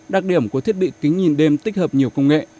đặc điểm của thiết bị kính nhìn đêm tích hợp nhiều công nghệ